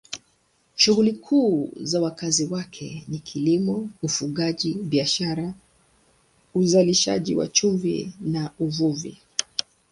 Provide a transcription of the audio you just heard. Shughuli kuu za wakazi wake ni kilimo, ufugaji, biashara, uzalishaji wa chumvi na uvuvi.